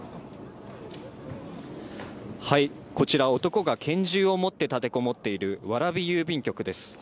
こちら、男が拳銃を持って立てこもっている蕨郵便局です。